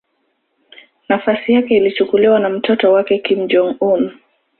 Nafasi yake ilichukuliwa na mtoto wake Kim Jong-un.